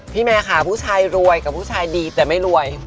แม่ค่ะผู้ชายรวยกับผู้ชายดีแต่ไม่รวย